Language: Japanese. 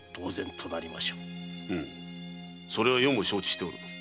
うむそれは余も承知しておる。